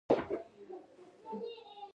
• د سهار خاموشي د دعا کولو غوره وخت دی.